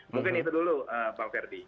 mungkin itu dulu bang ferdi